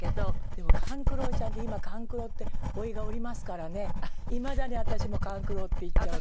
でも勘九郎ちゃんって今勘九郎って甥がおりますからねいまだに私も勘九郎って言っちゃうの。